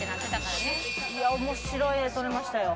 いや面白い画撮れましたよ。